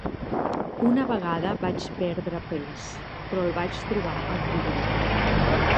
Una vegada vaig perdre pes, però el vaig trobar al frigorífic.